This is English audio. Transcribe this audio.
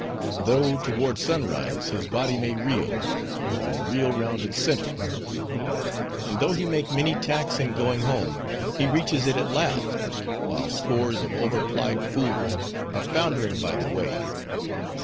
Though, toward sunrise, his body may reel, it will reel round its center; and though he make many tacks in going home, he reaches it at last; while scores of over plied fools are foundering by the way.